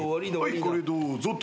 はいこれどうぞと。